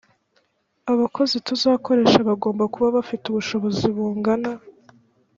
abakozi tuzakoresha bagomba kuba bafite ubushobozi bungana